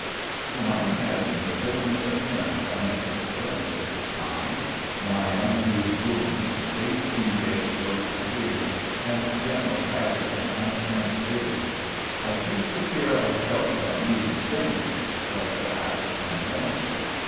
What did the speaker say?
When I imagine the villainous appearance I must have presented at this time my unhealed wounds, eighteen days' growth of beard, and general haggard and unkempt visage I think the fear I felt about meeting strangers was perhaps unwarranted.